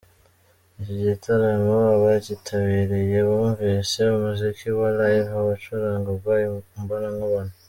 Iki gitaramo abakitabiriye bumvise umuziki wa Live wacurangwaga imbonankubone.